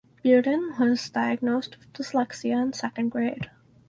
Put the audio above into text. Bearden was diagnosed with dyslexia in second grade.